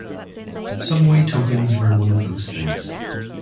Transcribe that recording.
Subway tokens were one of those things.